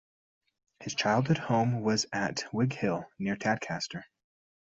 His childhood home was at Wighill, near Tadcaster.